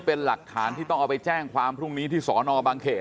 คุณกัลจอมพลังบอกจะมาให้ลบคลิปได้อย่างไร